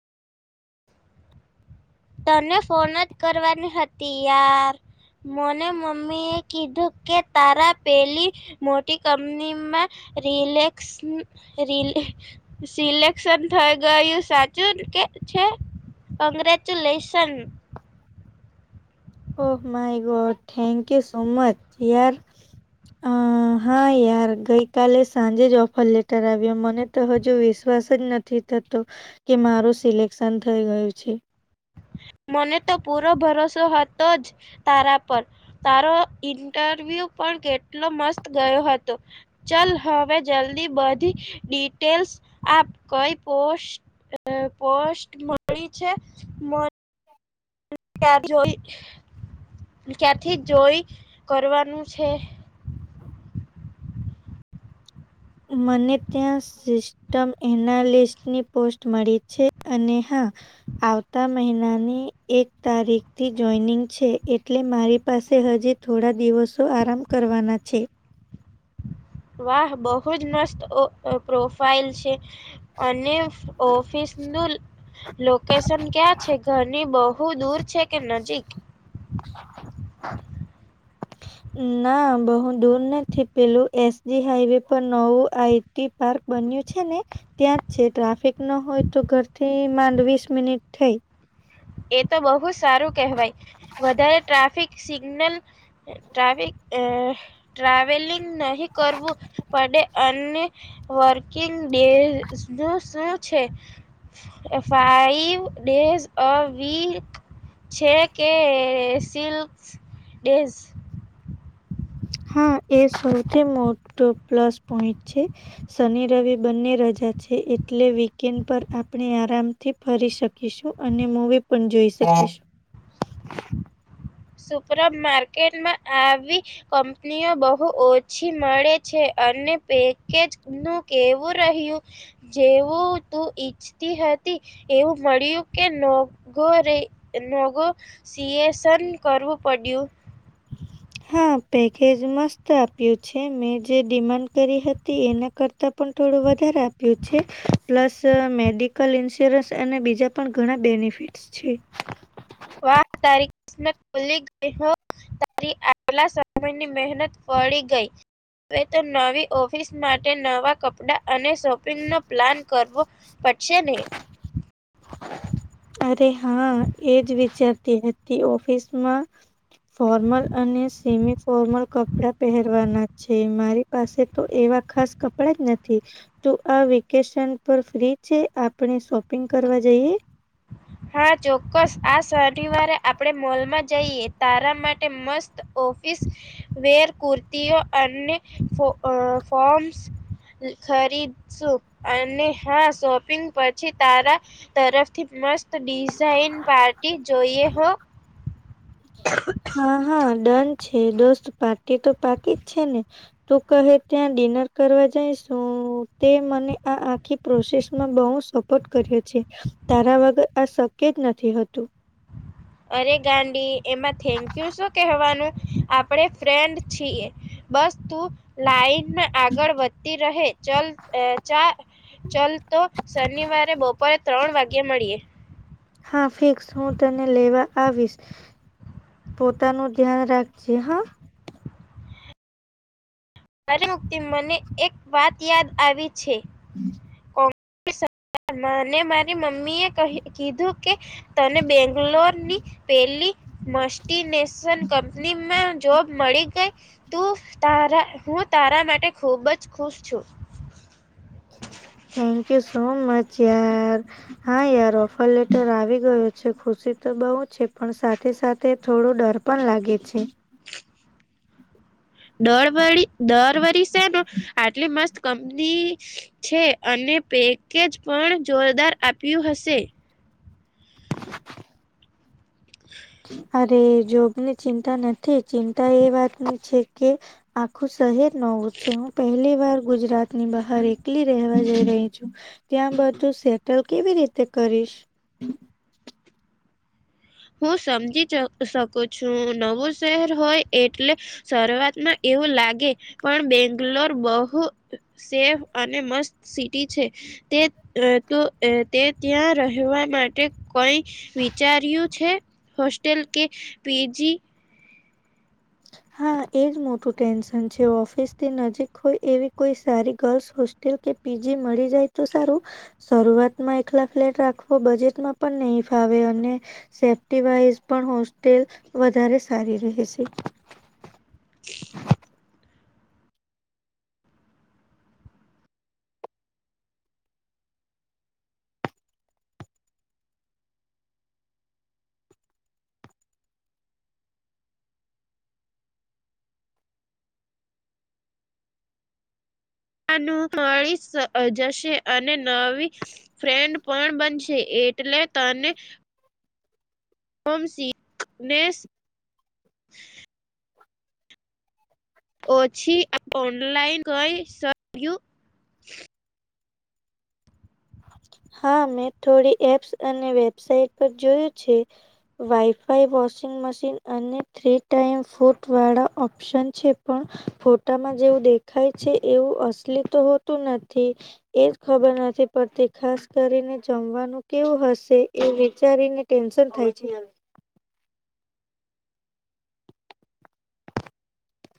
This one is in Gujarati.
તને ફોન જ કરવાની હતી યાર. મને મમ્મી એ કીધું કે તારા પેલી. મોટી કંપનીમાં રલેસ ર. સિલેક્શન થઈ ગયું સાચું કે છે અંગ્રેજ. ચુ lesson oh! My god thank you so much યાર. અ હા યાર ગઈકાલે સાંજે જ ઓફર લેટર આવ્યો મને. તો હજુ વિશ્વાસ જ નથી થતો કે મારું સિલેક્શન થઈ ગયું છે. મને તો પૂરો ભરોસો હતો જ. તારા પર. તારો ઇન્ટરવ્યુ પણ કેટલો મસ્ત ગયો હતો. ચલ હવે જલ્દી બધી ડિટેલ્સ આપ. કઈ પોસ્ટ અ પોસ્ટ મળી છે મ કે આ જોઈ ક્યાંથી જોઈ કરવાનું છે? મને ત્યાં સીસ ટમ એનાલિસ્ટની પોસ્ટ મળી છે અને હા આવતા મહિનાની એક તારીખથી જોઈનિંગ છે એટલે મારી પાસે હજી થોડા દિવસો આરામ કરવાના છે. વાહ! બહુ જ મસ્ત ઓ ઓ પ્રોફાઈલ છે. અને ઓફીસનું લોકેશન ક્યાં છે ઘરની બહુ દૂર છે કે નજીક? ના બહુ દૂર નથી પેલું એસજી હાઈવે પર નવું આઈટી પાર્ક બન્યું છે ને ત્યાં જ છે. ટ્રાફિક ન હોય તો ઘરથી માંડ વીસ મિનિટ થઈ. એ તો બહુ સારું કહેવાય વધારે ટ્રાફિક સિગ્ નલ ટ્રાફિક અ ટ્રાવેલિંગ નહીં કરવું પડે અ ને વર્કિંગ ડેઝ નું શું છે? અ ફાઈવ ડેઝ અ વીક છે કે સિલ્કસ ડેઝ? હા એ સૌથી મોટો પ્લસ પોઈન્ટ છે. શનિ રવિ બંને રજા છે એટલે વીકેન્ડ પર આપણે આરામથી ફરી શકીશું અને મૂવી પણ જોઈ શકીશું. સુપરા માર્કેટમાં આવી કંપનીઓ બહુ ઓછી મળે છે અને પેકેજનું કેવું રહ્યું? જેવું તું ઇચ્ ઈચ્છતી હતી એવું મળ્યું કે નોગો રે નોગો સીએશન કરવું પડ્યું? હા પેકેજ મસ્ત આપ્યું છે મેં જે ડિમાન્ડ કરી હતી એના કર તા પણ થોડું વધારે આપ્યું છે. પ્લસ મેડિકલ ઇન્સ્યોરન્સ અને બીજા પણ ઘણા બેનિફિટ્સ છે. વાહ! તારી કિસ્મત ખૂલી ગઇ હો. તારી આગલા સમયની મહેનત ફળી ગઈ. હવે તો નવી ઓફિસ માટે નવા કપડાં અને શોપિંગનો પ્લાન કરવો. પછે ને અરે! હા એજ વિચારતી હતી ઓફિસમાં ફોર્મલ અને સેમી ફોર્મલ કપડાં પહેરવાના છે મારી પાસે તો એવા ખાસ કપડાં જ નથી તો આ વેકેશન પર ફ્રી છે આપ આપણે શોપિંગ કરવા જઈએ? હા ચોક્કસ આ શનિવારે આપડણે મોલમાં જઈએ તારા માટે મસ્ત ઓફીસ વેર કુર્તીઓ અને ફો અ ફોમ્સ. ખરીદશું. અને હા શોપિંગ પછી તારા તરફથી મસ્ત ડિઝાઇન પાર્ટી જોઈએ હો. હા હા ડન છે. દોસ્ત પાર્ટી તો પાકી જ છે ને. તું કહે ત્યાં ડિનર કરવા જઈશું, તે મને આ આખી પ્રોસેસ માં બઉ સોખ કર્યું છે તારા વગર આ શક્ય જ નથી હતું. અરે ગાડી એમાં થેન્કયુ શું કવાનું આપણે ફ્રેન્ડ છીએ. બસ તું લાઈન આગળ વધતી રહે ચલ અ ચા ચાલ તો શનિવારે બપોરે ત્રણ વાગે મળીએ. હા ફિક્સ હું તને લેવા આવીશ. પોતાનું ધ્યાન રાખજે હા. મારે મુક્તિ મને એક વાત યાદ આવી છે હમ. [unintelligible] મને મારી મમ્મી એ ક કીધું કે તને બેંગ્લોર ની પેલી મસ્ટ ટીનેશન કંપનીમાં જોબ મળી ગઈ તું તારા હું તારા માટે ખૂબ જ ખુશ છું. થેન્ક યુ સો મચ યાર. હા યાર ઓફર લેટર આવી ગયો છે ખુશી તો બઉુ છે, પણ સાથે સા થે થોડો ડર પણ લાગે છે. દર વળી દર વર સેનું આટલી મસ્ત કંપની છે અને પેકેજ પણ જોરદાર આપ્યું હશે. અરે જોબની ચિંતા નથી ચિંતા એ વાતની છે કે આખું શહેર નવું જ છે હું પહેલી વાર ગુજરાત ની બહાર એકલી રહેવા જઈ રહી છું. ત્યાં બધું સેટલ કેવી રીતે કરીશ. હું સમજી શકું છું, નવું શહેર હોય એટલે શરૂઆતમાં એવું લાગે પણ બેંગલોર બહુ સેફ અને મસ્ત સિટી છે તે તે ત્યાં રહેવા માટે કઈ વિચાર્યું છે, હોસ્ટલ કે પી જી. હા એજ મોટું ટેન્શન છે, ઓફિસ થી નજીક હોય એવી કોઈ સારી ગર્લ્સ હોસ્ટ કે પી જી મળી જાય તો સારું શરૂઆતમાં એકલા ફ્લેટ રાખવો બજેટમાં પણ નહીં ફાવે, અને સેફ્ટી વાઈઝ પણ હોસ્ટેલ વધારે સારી રહેશે. આનું મળી જશે અને નવી ફ્રેન્ડ પણ બનશે એટલે તને હોમ સિકનેસ ઓછી ઓનલાઇન કઈ શક્યું હા મેં થોડી એપ્સ અને વેબસાઇટ પર જોયું છે. વાઈફાઈ, વોશિંગ મશીન અને થ્રી ટાઈમ ફૂટ વાળા ઓ ઓપ્શન છે પણ ફોટામાં જેવું દેખાય છે એવું અસલી તો હોતું નથી. એજ ખબર નથી પરથી ખાસ કરીને જમવાનું કેવું હશે, એ વિચારીને ટેન્શન થાય છે.